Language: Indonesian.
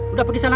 udah pergi sana